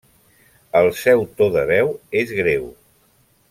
El seu to de veu és greu.